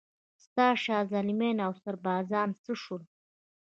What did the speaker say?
ستا شازلمیان اوسربازان څه شول؟